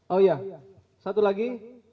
oh ya satu lagi